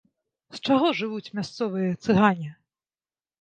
З чаго жывуць мясцовыя цыгане?